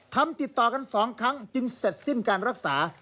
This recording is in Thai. ติดต่อกัน๒ครั้งจึงเสร็จสิ้นการรักษา